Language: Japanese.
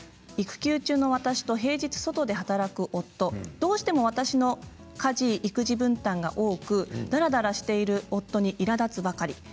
育休中の私と平日外で働く夫どうしても私の家事育児分担が大きくだらだらしている夫にいらだつばかり。